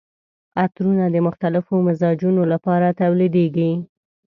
عطرونه د مختلفو مزاجونو لپاره تولیدیږي.